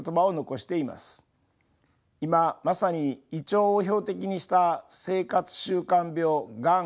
今まさに胃腸を標的にした生活習慣病がん